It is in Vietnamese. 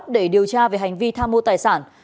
điều tra về hành vi tham mô tài sản